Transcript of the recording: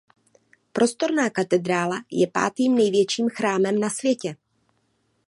Prostorná katedrála je pátým největším chrámem na světě.